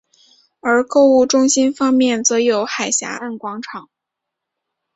而购物中心方面则有海峡岸广场。